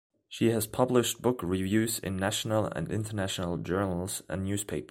She has published book reviews in national and international journals and newspapers.